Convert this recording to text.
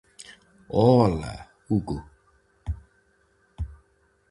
Ola, Hugo.